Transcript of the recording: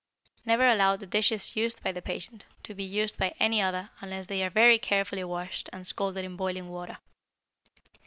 Never allow the dishes used by the patient to be used by any other unless they are very carefully washed and scalded in boiling water.